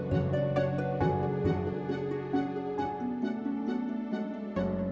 lagi jalan sama om fauzan